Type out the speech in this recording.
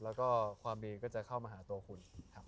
แล้วก็ความดีก็จะเข้ามาหาตัวคุณครับ